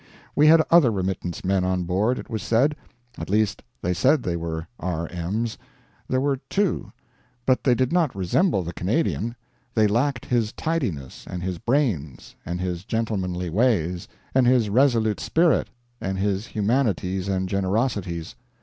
We had other remittance men on board, it was said. At least they said they were R. M.'s. There were two. But they did not resemble the Canadian; they lacked his tidiness, and his brains, and his gentlemanly ways, and his resolute spirit, and his humanities and generosities.